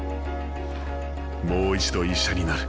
もう一度医者になる。